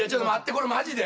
これマジで？